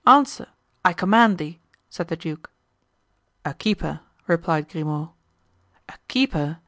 Answer! I command thee!" said the duke. "A keeper," replied Grimaud. "A keeper!"